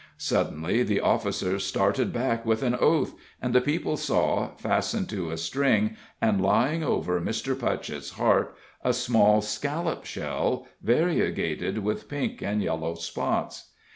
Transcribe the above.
Suddenly the officer started back with an oath, and the people saw, fastened to a string and lying over Mr. Putchett's heart, a small scallop shell, variegated with pink and yellow spots.